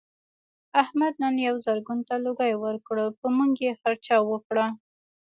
احمد نن یوه زرګون ته لوګی ورکړ په موږ یې خرڅه وکړله.